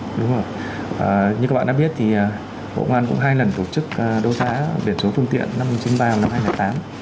đúng rồi như các bạn đã biết thì bộ ngoan cũng hai lần tổ chức đầu xá biển số phương tiện năm hai nghìn ba và năm hai nghìn tám